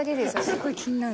すっごい気になる。